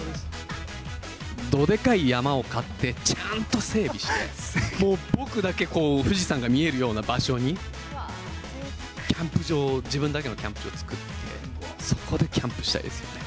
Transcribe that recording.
どでかい山を買って、ちゃんと整備して、もう僕だけこう富士山が見えるような場所に、キャンプ場を、自分だけのキャンプ場を作って、そこでキャンプしたいですよね。